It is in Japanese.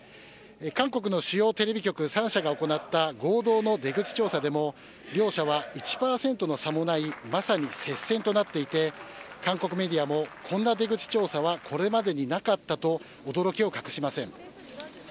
韓国の主要テレビ局３社が行った合同の出口調査でも両者は１％との差もないまさに接戦となっていて韓国メディアもこんな出口調査はこれまでになかったと驚きを隠しません。